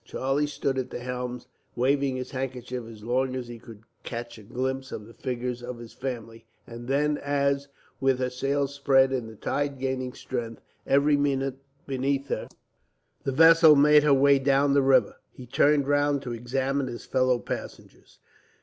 Charlie stood at the stern, waving his handkerchief as long as he could catch a glimpse of the figures of his family; and then as, with her sails spread and the tide gaining strength every minute beneath her, the vessel made her way down the river, he turned round to examine his fellow passengers.